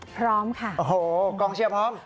พร้อมค่ะโอ้โหกองเชียร์พร้อม